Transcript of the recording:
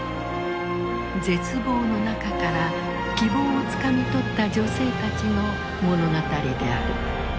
絶望の中から希望をつかみ取った女性たちの物語である。